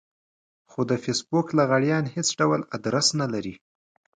خو د فېسبوک لغړيان هېڅ ډول ادرس نه لري.